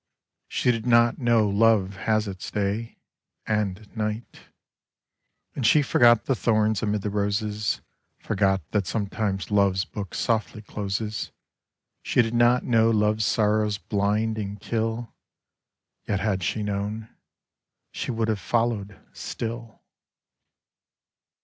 She did not know Love has its day — and night. And she forgot the thorns amid the roses, Forgot that sometimes Love's book softly closes; She did not know Love's sorrows blind and kill. ... Yet had she known, she would have followed still